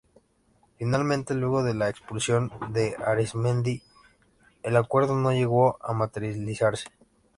Finalmente luego de la expulsión de Arismendi el acuerdo no llegó a materializarse.